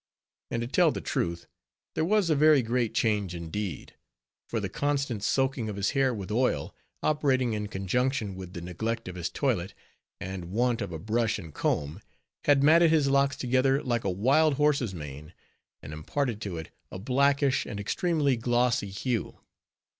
And to tell the truth, there was a very great change indeed; for the constant soaking of his hair with oil, operating in conjunction with the neglect of his toilet, and want of a brush and comb, had matted his locks together like a wild horse's mane, and imparted to it a blackish and extremely glossy hue.